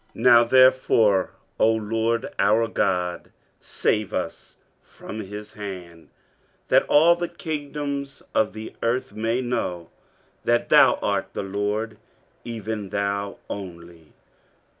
23:037:020 Now therefore, O LORD our God, save us from his hand, that all the kingdoms of the earth may know that thou art the LORD, even thou only.